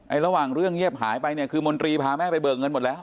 ระหว่างเรื่องเงียบหายไปเนี่ยคือมนตรีพาแม่ไปเบิกเงินหมดแล้ว